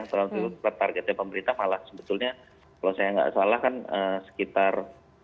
terus targetnya pemerintah malah sebetulnya kalau saya tidak salah kan sekitar lima lima